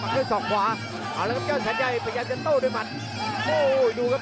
กระโดยสิ้งเล็กนี่ออกกันขาสันเหมือนกันครับ